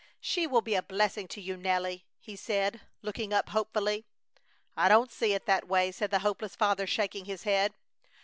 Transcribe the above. "She will be a blessing to you, Nelly," he said, looking up hopefully. "I don't see it that way!" said the hopeless father, shaking his head.